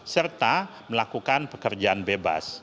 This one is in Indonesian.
serta melakukan pekerjaan bebas